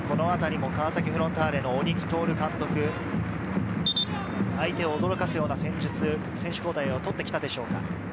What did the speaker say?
ここも川崎フロンターレの鬼木監督、相手を驚かせるような戦術、選手交代をとってきたでしょうか。